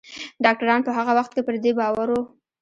ډاکتران په هغه وخت کې پر دې باور وو